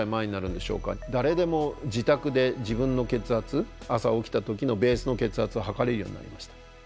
誰でも自宅で自分の血圧朝起きた時のベースの血圧を測れるようになりました。